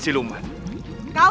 saya sudah tahu